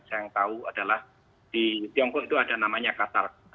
saya yang tahu adalah di tiongkok itu ada namanya qatar